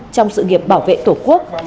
trong sự nghiệp bảo vệ tổ quốc